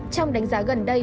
trong đánh giá gần đây